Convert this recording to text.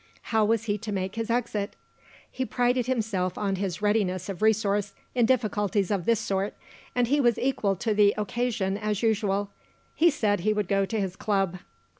How was he to make his exit? He prided himself on his readiness of resource, in difficulties of this sort, and he was equal to the occasion as usual he said he would go to his club.